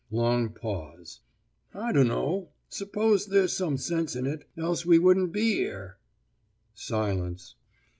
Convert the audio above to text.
Long pause. 'I dunno. 'Spose there's some sense in it, else we wouldn't be 'ere.' Silence.